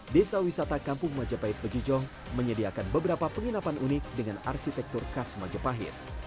desa wisata kampung majapahit bejijong menyediakan beberapa penginapan unik dengan arsitektur khas majapahit